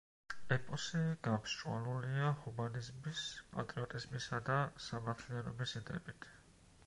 ეპოსი გამსჭვალულია ჰუმანიზმის, პატრიოტიზმისა და სამართლიანობის იდეებით.